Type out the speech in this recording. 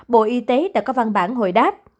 bộ y tế đã có văn bản hồi đáp